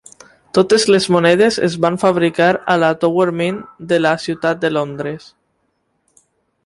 Totes les monedes es van fabricar a la Tower Mint de la ciutat de Londres.